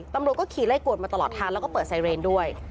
ตำรวจก็ขี่ไล่กวดมาตลอดทางแล้วก็เปิดไซเรนด้วย